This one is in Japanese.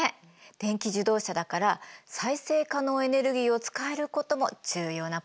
電気自動車だから再生可能エネルギーを使えることも重要なポイントの一つよね。